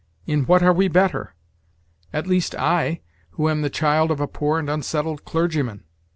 In what are we better? at least I, who am the child of a poor and unsettled clergyman?"